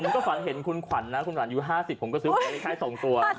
ถ้าฝันเห็นคุณขวัญนะคุณหลานอายุ๕๐ผมก็ซื้ออายุใกล้๒ตัว